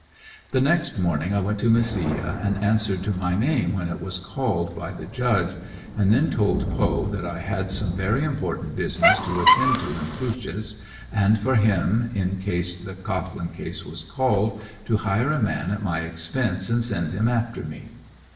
The next morning I went to Mesilla and answered to my name when it was called, by the Judge, and then told Poe that I had some very important business to attend to in "Cruces" and for him, in case the Cohglin case was called, to hire a man at my expense and send him after me.